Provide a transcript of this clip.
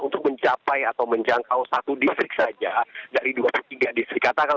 untuk mencapai atau menjangkau satu distrik saja dari dua puluh tiga distrik katakan